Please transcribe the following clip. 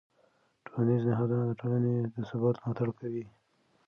ټولنیز نهادونه د ټولنې د ثبات ملاتړ کوي.